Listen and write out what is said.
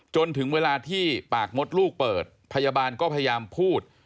จนถึงเวลาที่ปากมดลูกเปิดพยาบาลก็พยายามพูด